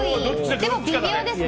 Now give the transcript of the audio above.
でも、微妙ですね。